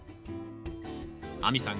亜美さん